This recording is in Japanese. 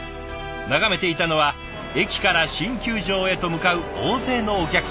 眺めていたのは駅から新球場へと向かう大勢のお客さんたち。